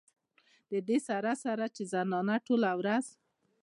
د دې سره سره چې زنانه ټوله ورځ